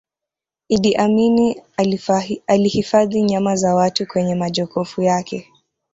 iddi amini alihifadhi nyama za watu kwenye majokofu yake